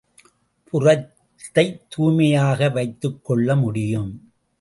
புறத்தைத் தூய்மையாக வைத்துக்கொள்ள முடியும்.